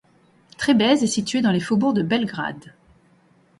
Trebež est situé dans les faubourgs de Belgrade.